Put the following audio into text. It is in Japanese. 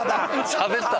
しゃべった！